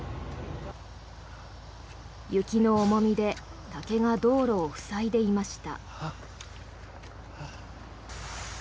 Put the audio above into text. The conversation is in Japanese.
雪の重みで竹が道路を塞いでいました。